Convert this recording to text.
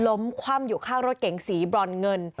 คว่ำอยู่ข้างรถเก๋งสีบรอนเงิน